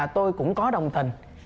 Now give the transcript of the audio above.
tôi cũng có đồng tình